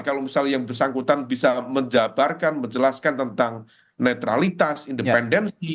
kalau misalnya yang bersangkutan bisa menjabarkan menjelaskan tentang netralitas independensi